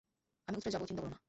আমি উৎরে যাব, চিন্তা করো না।